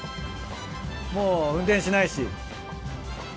もう運転しないし。